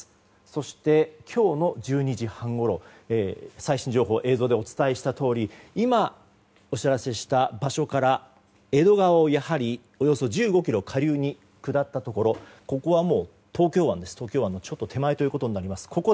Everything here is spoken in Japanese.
そして今日の１２時半ごろ最新映像、映像でお伝えしたとおり今お知らせした場所から江戸川をおよそ１５ｋｍ下流に下ったところ東京湾の手前となります。